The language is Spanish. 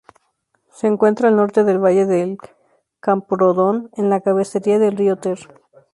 Se encuentra al norte del valle de Camprodón, en la cabecera del río Ter.